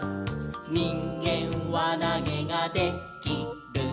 「にんげんわなげがで・き・る」